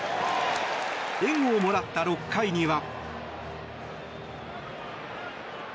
援護をもらった６回には。